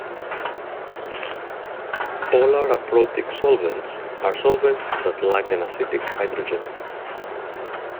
Polar "aprotic" solvents are solvents that lack an acidic hydrogen.